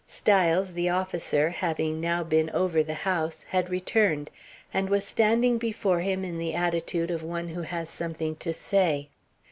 Styles, the officer, having now been over the house, had returned, and was standing before him in the attitude of one who has something to say.